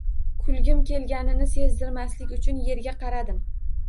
Kulgim kelganini sezdirmaslik uchun erga qaradim